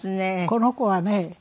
この子はね